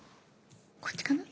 こっちかな？